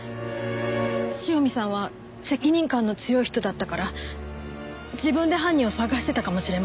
塩見さんは責任感の強い人だったから自分で犯人を捜してたかもしれません。